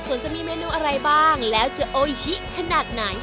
ส่วนจะมีเมนูอะไรบ้างแล้วจะโออิชิขนาดไหน